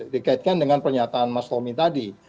dikaitkan dengan pernyataan mas tommy tadi